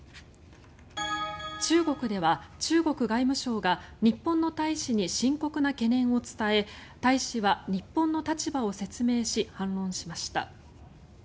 中国では、中国外務省が日本の大使に深刻な懸念を伝え大使は日本の立場を説明し反論しました。